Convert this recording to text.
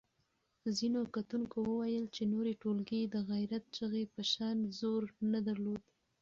ځینو کتونکو وویل چې نورې ټولګې د غیرت چغې په شان زور نه درلود.